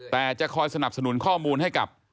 แต่จะคอยสนับสนุนข้อมูลให้กับ